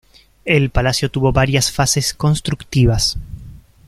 El Palacio tuvo varias fases constructivas.